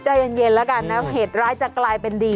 ใจเย็นแล้วกันนะเหตุร้ายจะกลายเป็นดี